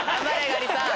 ガリさん！